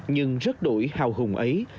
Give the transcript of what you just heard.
nhưng rất đổi hào hùng ấy